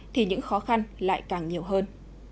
thì những khó khăn lại càng nhiều hơn